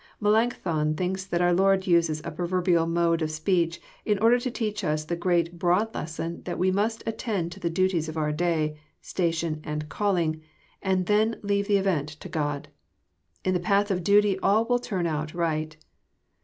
Melancthon thinks that our Lord uses a proverbial mode of speech, in order to teach us the great broad lesson that we must attend to the duties of our day, station, and calling, and then leave the event to God. In the path of duty all will turn out right.